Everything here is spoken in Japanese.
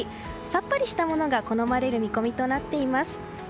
さっぱりしたものが好まれる見込みとなっています。